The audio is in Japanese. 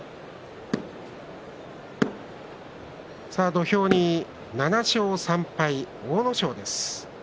土俵に７勝３敗阿武咲です。